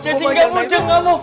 jajingan ujung kamu